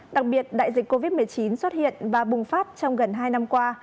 đặc biệt đại dịch covid một mươi chín xuất hiện và bùng phát trong gần hai năm qua